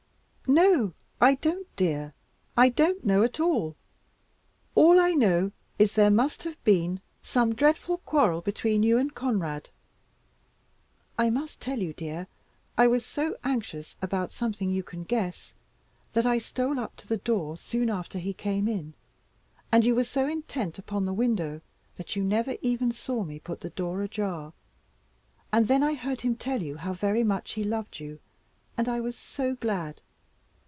"No, I don't dear. I don't know at all. All I know is there must have been some dreadful quarrel between you and Conrad. I must tell you, dear, I was so anxious about something you can guess, that I stole up to the door soon after he came in; and you were so intent upon the window, that you never even saw me put the door ajar; and then I heard him tell you how very much he loved you, and I was so glad.